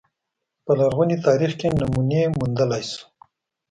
په لرغوني تاریخ کې نمونې موندلای شو